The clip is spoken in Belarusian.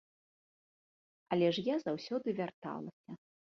Але ж я заўсёды вярталася.